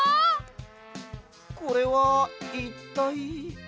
これはいったい？